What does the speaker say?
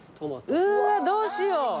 うわどうしよう。